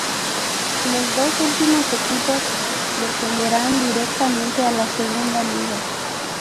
Los dos últimos equipos descenderán directamente a la Segunda Liga.